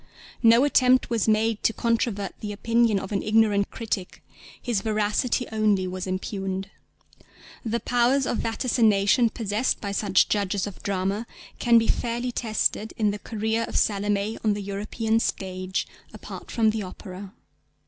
No attempt was made to controvert the opinion of an ignorant critic: his veracity only was impugned. The powers of vaticination possessed by such judges of drama can be fairly tested in the career of Salomé on the European stage, apart from the opera.